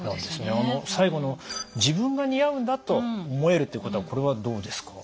あの最後の「自分が似合うんだと思える」っていうことはこれはどうですか？